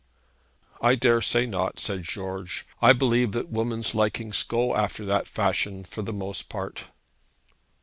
'I daresay not,' said George. 'I believe that women's likings go after that fashion, for the most part.'